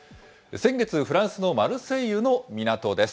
先月、フランスのマルセイユの港です。